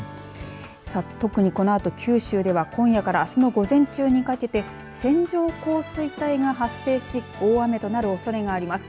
さあ、特に、このあと九州では今夜からあすの午前中にかけて線状降水帯が発生し大雨となるおそれがあります。